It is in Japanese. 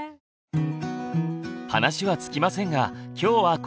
話は尽きませんが今日はここまで。